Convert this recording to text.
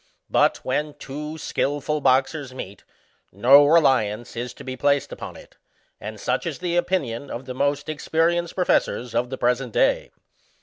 But, when two skil ful boxers meet, no reliance is to be placed upon it ; and such is the opinion of the *most experienced pro fessors of the present day.